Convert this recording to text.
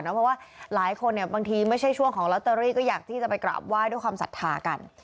เพราะว่าหลายคนเนี่ยบางทีไม่ใช่ช่วงของลอตเตอรี่ก็อยากที่จะไปกราบไหว้ด้วยความศรัทธากัน